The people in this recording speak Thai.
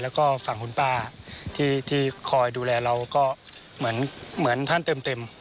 แล้วก็ฝั่งคุณป้าที่คอยดูแลเราก็เหมือนท่านเต็ม